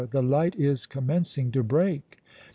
the light is commencing to break!"